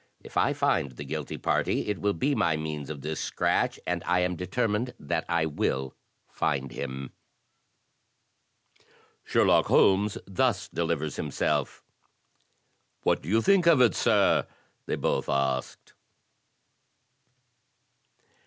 If I find the guilty party, it will be by means of this scratch; and I am determined that I will find him." Sherlock Holmes thus delivers himself: "What do you think of it, sir?" they both asked.